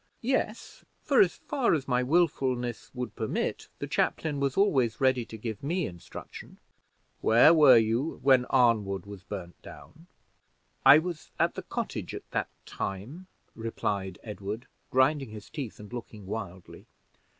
"Yes, for as far as my willfulness would permit, the chaplain was always ready to give me instruction." "Where were you when Arnwood was burned down?" "I was at the cottage at that time," replied Edward, grinding his teeth and looking wildly.